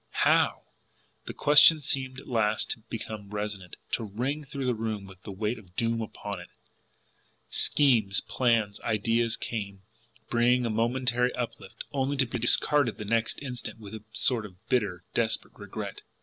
HOW! The question seemed at last to become resonant, to ring through the room with the weight of doom upon it. Schemes, plans, ideas came, bringing a momentary uplift only to be discarded the next instant with a sort of bitter, desperate regret.